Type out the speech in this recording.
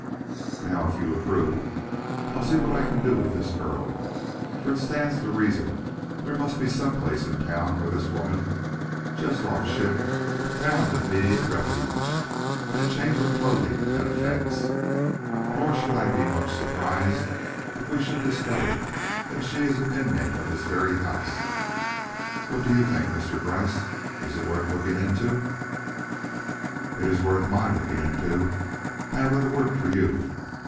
"Now, if you approve, I'll see what I can do with this girl, for it stands to reason there must be some place in town where this woman, just off ship, found an immediate refuge and a change of clothing and effects. Nor should I be much surprised if we should discover that she is an inmate of this very house. What do you think, Mr. Gryce? Is it worth looking into?" "It is worth my looking into. I have other work for you.